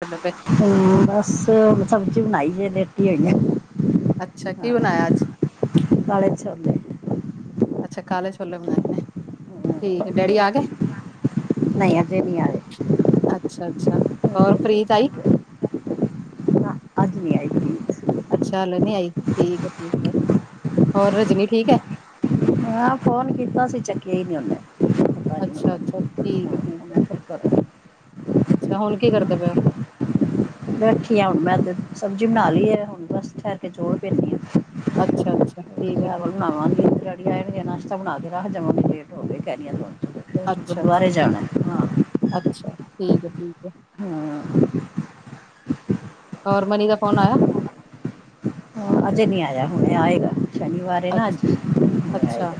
ਤੁਹਾਡਾ ਬੈਂਕ ਹਮ ਬਸ ਸਬਜ਼ੀ ਬਣਾਈ ਹੋਈ ਹੈ ਲੇਟੀ ਹੋਈ ਆ। ਅੱਛਾ ਕੀ ਬਣਾਇਆ ਅੱਜ? ਕਾਲੇ - ਛੋਲੇ ਅੱਛਾ ਕਾਲੇ ਛੋਲੇ ਬਣਾਏ ਨੇ ਠੀਕ ਏ ਡੈਡੀ ਆਗੇ? ਨਈ ਅਜੇ ਨੀ ਆਏ। ਅੱਛਾ-ਅੱਛਾ ਹੋਰ ਪ੍ਰੀਤ ਆਈ। ਨਾ ਅੱਜ ਨੀਂ ਆਈ‌ ਕੁੜੀ। ਅੱਛਾ ਹਲੇ ਨੀ ਆਈ ਠੀਕ ਐ-ਠੀਕ ਐ ਹੋਰ ਰਜਨੀ ਠੀਕ ਐ। ਹਾਂ ਫੋਨ ਕੀਤਾ ਸੀ ਚੱਕਿਆ ਈ ਨੀ ਓਨੇ। ਅੱਛਾ-ਅੱਛਾ ਠੀਕ ਐ-ਠੀਕ ਐ, ਉਹਨੇ ਫਿਰ ਕਰ ਅੱਛਾ ਹੁਣ ਕੀ ਕਰਦੇ ਪਏ ਓ? ਬੈਠੀ ਆ ਹੁਣ ਮੈਂ ਤੇ ਸਬਜ਼ੀ ਬਣਾ ਲੀ ਏ ਹੁਣ ਬਸ ਠੈਰ ਤੇ ਚੋਰ ਪੇਨੀ ਆ ਅੱਛਾ ਅੱਛਾ ਠੀਕ ਹੈ ਚਾਵਲ ਠੀਕ ਹੈ ਬਣਾਵਾਂਗੀ ਤੇ ਅ ਮੈਂ ਵੀ ਨੀ ਐ ਨਾਸ਼ਤਾ ਬਣਾ ਕੇ ਰੱਖ ਜਾਂਵਾਗੀ ਲੇਟ ਹੋ ਜਾਗੇ ਅੱਛਾ ਗੁਰਦੁਆਰੇ ਅੱਛਾ ਜਾਣਾ ਹਾਂ। ਅੱਛਾ, ਠੀਕ ਏ-ਠੀਕ ਏ। ਹਾਂ। ਔਰ ਮਨੀ ਦਾ ਫੋਨ ਆਯਾ? ਹੁਣ ਅੱਜੇ ਨੀ ਆਯਾ ਹੁਣੇ ਆਏਗਾ ਸ਼ਨੀਵਾਰ ਏ ਨਾ ਅੱਛ ਅੱਜ ਹੁਣੇ ਆਏਗਾ ਅੱਛਾ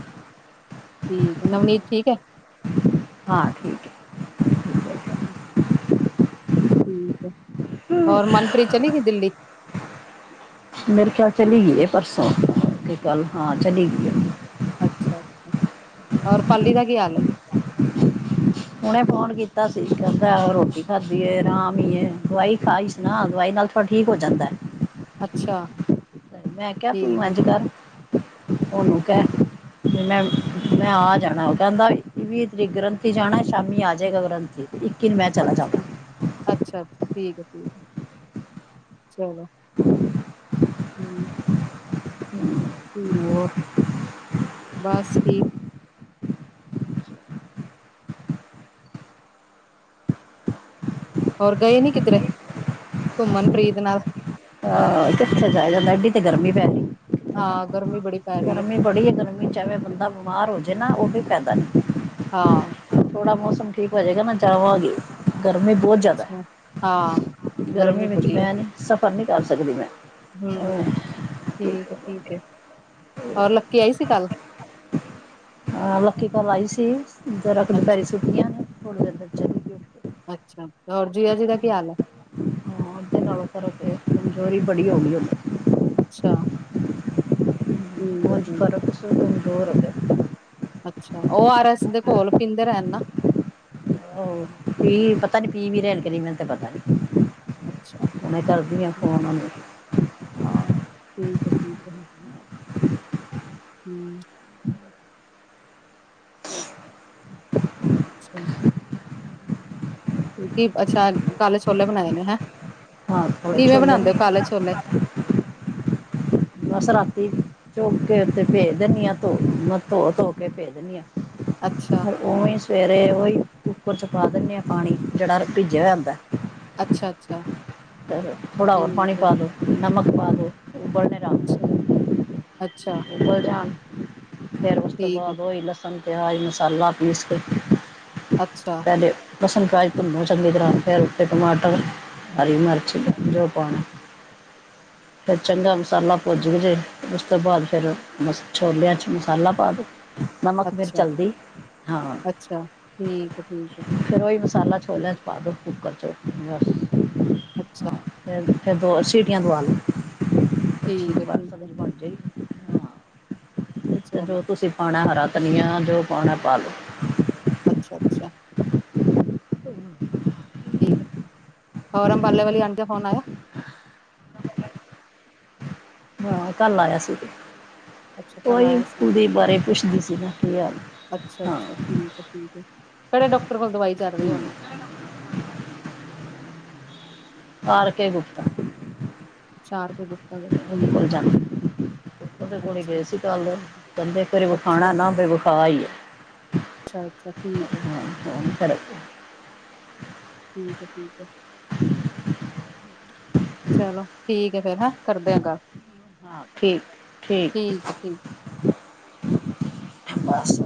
ਠੀਕ ਏ ਨਵਨੀਤ ਠੀਕ ਏ। ਹਾਂ ਠੀਕ ਏ। [inaudible] ਠੀਕ ਏ ਔਰ ਮਨਪ੍ਰੀਤ ਚਲੀਗੀ ਦਿੱਲੀ? ਮੇਰੇ ਖਿਆਲ ਚਲੀਗੀ ਏ ਪਰਸੋਂ ਤੇ ਕੱਲ ਹਾਂ ਚਲੀਗੀ ਏ। ਅੱਛਾ-ਅੱਛਾ ਹੋਰ ਪਾਲੀ ਦਾ ਕੀ ਹਾਲ ਏ ਹੁਨੇ ਫੋਨ ਕੀਤਾ ਸੀ ਕੈੰਦਾ ਰੋਟੀ ਖਾਧੀ ਏ ਆਰਾਮ ਈ ਏ ਦਵਾਈ ਖਾਈ ਸੀ ਨਾ ਦਵਾਈ ਨਾਲ ਪਰ ਠੀਕ ਹੋ ਜਂਦੈ ਅੱਛਾ। ਮੈਂ ਕੇਆ ਤੂੰ ਠੀਕ ਹੈ ਐੰਜ ਕਰ ਓਨੂੰ ਕੈ ਬੀ ਮੈਂ ਮੈਂ ਆ ਜਾਣਾ ਓ ਕੈੰਦਾ ਵੀਹ ਤਰੀਕ ਗ੍ਰੰਥੀ ਜਾਣਾ ਸ਼ਾਮੀ ਆ ਜੇਗਾ ਗ੍ਰੰਥੀ ਇਕੀ ਨੂੰ ਮੈ ਅੱਛਾ, ਅੱਛਾ-ਅੱਛਾ ਠੀਕ ਏ-ਠੀਕ ਏ ਚਲੋ [inaudible] ਹੂੰ। ਠੀਕ ਜਾਵਾਂ ਏ ਹੋਰ ਬਸ ਠੀਕ ਹੋਰ ਗਏ ਨੀ ਕਿਧਰੇ ਕੁੰਮਣ ਪ੍ਰੀਤ ਨਾਲ ਆਹ ਕਿੱਥੇ ਜਾਯਾ ਜਾਂਦਾ ਐਡੀ ਤੇ ਗਰਮੀ ਪੈਣੀ ਕਿਥੇ ਹਾਂ ਜਾਵਾਂ ਗਰਮੀ ਬੜੀ ਪੈ ਰਹੀ ਹੈ ਗਰਮੀ ਬੜੀ ਏ ਗਰਮੀ ਚ ਐਵੇਂ ਬੰਦਾ ਬਿਮਾਰ ਹੋ ਜੇ ਨਾ ਓ ਫਿਰ ਫੈਦਾ ਨੀ। ਹਾਂ। ਥੋੜਾ ਮੌਸਮ ਠੀਕ ਹੋ ਜੇਗਾ ਨਾ ਜਾਵਾਂਗੀ। ਗਰਮੀ ਬੋਤ ਜਾਦਾ ਅੱਛਾ ਹਾਂ ਗਰਮੀ ਵਿੱਚ ਬੜੀ ਹੈ ਮੈਂ ਨੀ ਸਫ਼ਰ ਨੀ ਕਰ ਸਕਦੀ ਮੈਂ ਹੂੰ ਠੀਕ ਏ-ਠੀਕ ਏ ਹੋਰ ਲੱਕੀ ਆਈ ਸੀ ਕੱਲ ਅਹ ਲੱਕੀ ਕੱਲ੍ਹ ਆਈ ਸੀ ਜਰਾ ਕ ਅੱਛਾ ਦੋਪੈਰੇ ਸੁੱਤੀਆਂ ਨੇ ਥੋੜੀ ਦੇਰ ਫੇਰ ਚਲੇਗੀ ਏ। ਅੱਛਾ ਹੋਰ ਜੀਆ ਜੀ ਦਾ ਕੀ ਹਾਲ ਐ? ਹਾਂ ਅਗੇ ਨਾਲੋਂ ਫਰਕ ਏ ਕਮਜ਼ੋਰੀ ਬੜੀ ਹੋ ਗਈ ਹੁਣ ਅੱਛਾ। ਠੀਕ ਹੈ ਓੰੰਜ ਠੀਕ ਹੈ ਫਰਕ ਸੂੰ ਕਮਜ਼ੋਰ ਹੋਗੇ ਨੇ। ਅੱਛਾ ਓ ਆਰ ਐੱਸ ਦੇ ਘੋਲ ਪੀਂਦੇ ਰੈਣ ਨਾ ਹ ਪ ਪਤਾ ਨੀ ਕਿਵੇਂ ਰਹੰਦੇ ਨੇ ਮੈਨੂੰ ਤੇ ਪਤਾ ਨੀ। ਅੱਛਾ, ਮੈਂ ਕਰਦੀ ਹਾਂ ਹੂੰ। ਫੋਨ ਉਹਨੂੰ ਹਾਂ ਠੀਕ ਐ, ਠੀਕ ਐ ਹੂੰ ਅੱਛਾ ਕਿਉਂਕਿ ਅਸਾ ਕਾਲੇ ਛੋਲੇ ਬਨਾਏ ਨੇ ਨਾ। ਹਾਂ ਥੋੜੇ ਛੋਲੇ ਬਸ ਰਾਤੀ ਚੁੱਕ ਕੇ ਉੱਥੇ ਭੇਜ ਦਿੰਨੀ ਹਾਂ ਤੋ ਦੇਣੀ ਆ ਤੋ ਤੋਂ ਕੇ ਭੇਜ ਦੇਨੀ ਆ। ਅੱਛਾ [unintelligible] ਸਵੇਰੇ ਓਹੀ ਕੁੱਕਰ ਚ ਪਾ ਦਿੰਨੇ ਆ ਪਾਣੀ ਜੇੜਾ ਭਿੱਜਿਆ ਹੋਇਆ ਹੁੰਦਾ। ਅੱਛਾ-ਅੱਛਾ ਥੋੜ੍ਹਾ ਹੋਰ ਪਾਨੀ ਪਾ ਦਉ। ਨਮਕ ਪਾ ਦਉ ਬਰ ਅੱਛਾ ਜੀ ਅੱਛਾ [unintelligible] ਫੇਰ ਉਸ ਤੋਂ ਠੀਕ ਹੈ, ਬਾਅਦ ਓਹੀ ਲਸਣ। ਪਿਆਜ਼ ਮਸਾਲਾ ਪੀਸ ਕੇ ਅੱਛਾ ਪਹਿਲੇ ਲਸਣ ਪਿਆਜ ਪੁੰਨੋ ਚੰਗੀ ਤਰ੍ਹਾਂ ਫਿਰ ਉ ਟਮਾਟਰ [unintelligible] ਫੇਰ ਚੰਗਾ ਮਸਾਲਾ ਪੁੱਜ ਗ ਜੇ ਉਸ ਤੋਂ ਬਾਅਦ ਫੇਰ ਬਸ ਛੋਲਿਆਂ 'ਚ ਮਸਾਲਾ ਪਾ ਦਉ। ਨਮਕ, ਮਿਰਚ, ਅੱਛਾ, ਹਲਦੀ ਹਾਂ। ਅੱਛਾ ਠੀਕ ਹੈ, ਠੀਕ ਹੈ, ਗੇਰ ਓਹਹੀ ਮਸਾਲਾ ਛੋਲਿਆਂ 'ਚ ਪਾ ਦਉ ਕੁੱਕਰ 'ਚ ਬਸ ਅੱਛਾ ਹਾਂ ਫਿਰ ਦੋ ਸ ਸੀਟੀਆਂ ਦਵਾ ਲਓ। ਠੀਕ ਐ- ਬਸ ਠੀਕ ਐ। ਸਬਜ਼ੀ ਬਣ ਜਾਏਗੀ। ਚਲੋ ਜੋ ਤੁਸੀਂ ਪਾਨਾ ਹਰਾ ਧਨੀਆ ਜੋ ਪਾਨਾ ਪਾ ਲਵੋ। ਅੱਛਾ -ਅੱਛਾ ਠੀਕ ਆ! ਹੋਰ ਅੰਬਾਲੇ ਵਾਲੀ ਆਂਟੀ ਦਾ ਫੋਨ ਆਇਆ। ਹਾਂ ਕੱਲ ਆਇਆ ਸੀ। ਅੱਛਾ ਕੱਲ ਉਹੀ ਆਇਆ ਸੀ ਕੁਲਦੀਪ ਬਾਰੇ ਪੁੱਛਦੀ ਸੀ ਗਾ ਕੀ ਹਾਲ ਐ ਠੀਕ ਐ-ਠੀਕ ਐ। ਕੇੜੇ ਡਾਕਟਰ ਕੋਲ ਦਵਾਈ ਚੱਲ ਰਹੀ ਹੁਨ ਆਰ ਕੇ ਗੁਪਤਾ। ਅਛਾ ਆਰ ਕੇ ਗੁਪਤਾ ਕੋਲ ਠੀਕ ਐ। ਓਦੇ ਕੋਲ ਗਏ ਸੀ ਕੱਲ ਕਹਿੰਦੇ ਏਕ ਵਾਰੀ ਵਿਖਾਣਾ ਅੱਛਾ, ਮੈ ਬਈ ਵਿਖਾ ਈ ਲੌ। ਅੱਛਾ- ਅੱਛਾ ਠੀਕ ਏ। ਹਾਂ ਹੁਨ ਫਰਕ ਏ। ਠੀਕ ਏ-ਠੀਕ ਏ। [inaudible] ਚਲੋ ਠੀਕ ਐ ਫੇਰ ਹੈ ਕਰਦੇ ਆਂ ਗੱਲ। ਹਾਂ ਠੀਕ -ਠੀਕ ਹੈ, ਠੀਕ ਬਸ